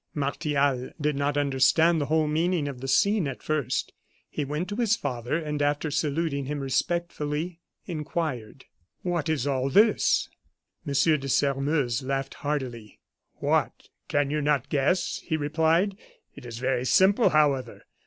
Martial did not understand the whole meaning of the scene at first. He went to his father, and after saluting him respectfully, inquired: "What is all this?" M. de Sairmeuse laughed heartily. "What! can you not guess?" he replied. "It is very simple, however.